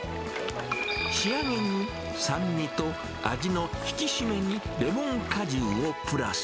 仕上げに酸味と味の引き締めにレモン果汁をプラス。